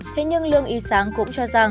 thế nhưng lương y sáng cũng chẳng hạn